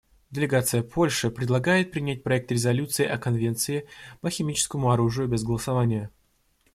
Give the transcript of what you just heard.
Делегация Польши предлагает принять проект резолюции о Конвенции по химическому оружию без голосования.